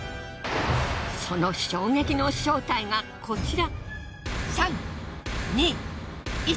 その衝撃の正体がこちら。